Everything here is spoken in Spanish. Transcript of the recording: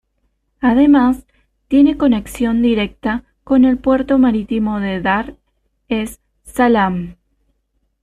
Además, tiene conexión directa con el puerto marítimo de Dar-es-Salaam.